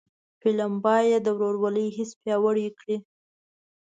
فلم باید د ورورولۍ حس پیاوړی کړي